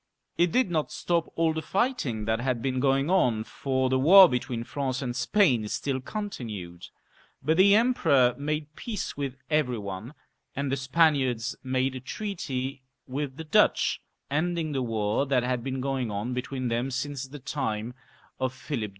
It did not stop all the fighting that had been going on, for the war between France and Spain still continued ; but the Emperor made peace with every one, and the Spaniards made a treaty with the Dutch, ending the war that had been going on between them since the time of Philip II.